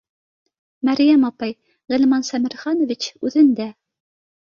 — Мәрйәм апай, Ғилман Сәмерханович үҙендә